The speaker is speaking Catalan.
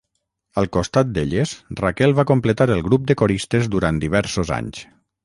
Al costat d'elles Raquel va completar el grup de coristes durant diversos anys.